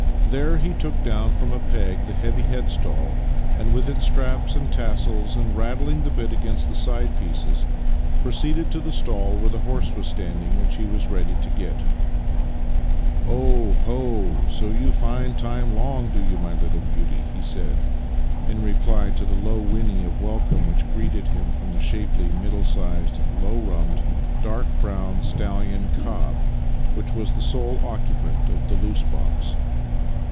There he took down from a peg the heavy headstall, with its straps and tassels, and, rattling the bit against the side pieces, proceeded to the stall where the horse was standing which he was to get ready. " Oh ho, so you find time long, do 3'ou, my little beauty? " he said in reply to the low whinny of welcome which greeted him from the shapely, middle sized, low rumped, dark brown stallion cob which was the sole occupant of the loose box.